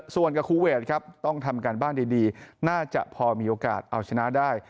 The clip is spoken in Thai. ส่วนกับคูเวทครับต้องทำการบ้านดีน่าจะพอมีโอกาสเอาชนะได้